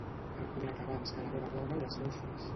El conec abans que la meva dona i els meus fills.